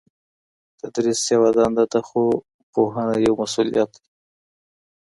تدریس یوه دنده ده خو پوهنه یو مسؤلیت دی.